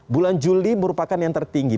bulan juli merupakan yang tertinggi